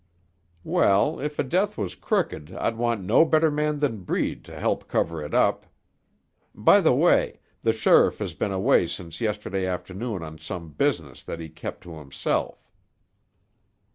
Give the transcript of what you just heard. "Well, if a death was crooked I'd want no better man than Breed to help cover it. By the way, the sheriff has been away since yesterday afternoon on some business that he kept to himself."